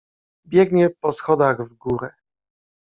Biegnie po schodach w górę.